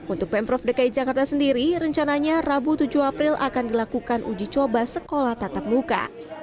untuk pemprov dki jakarta sendiri rencananya rabu tujuh april akan dilakukan uji coba sekolah tatap muka